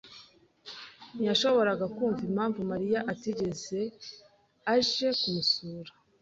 ntiyashoboraga kumva impamvu Mariya atigeze aje kumusura.